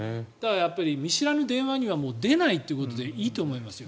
見知らぬ電話には出ないということでいいと思いますよ